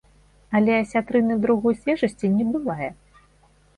Але асятрыны другой свежасці не бывае.